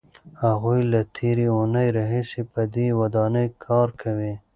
هغوی له تېرې اوونۍ راهیسې په دې ودانۍ کار کوي.